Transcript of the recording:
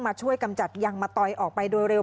ช่วยกำจัดยังมะตอยออกไปโดยเร็ว